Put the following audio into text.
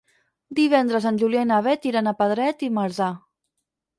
Divendres en Julià i na Beth iran a Pedret i Marzà.